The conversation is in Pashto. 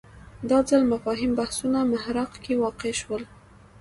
دا ځل مفاهیم بحثونو محراق کې واقع شول